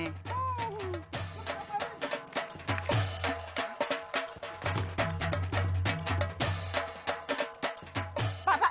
pak pak sini pak